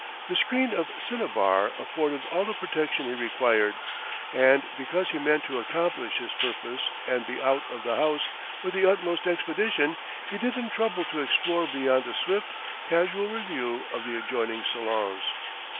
The screen of cinnabar afforded all the protection he required; and because he meant to accomplish his purpose and be out of the house with the utmost expedition, he didn't trouble to explore beyond a swift, casual review of the adjoining salons.